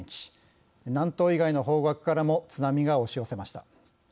南東以外の方角からも津波が押し寄せました。